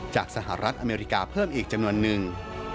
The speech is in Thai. สหรัฐอเมริกาเพิ่มอีกจำนวนนึง